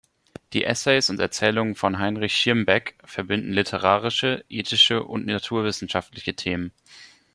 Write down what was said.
Die Essays und Erzählungen von Heinrich Schirmbeck verbinden literarische, ethische und naturwissenschaftliche Themen.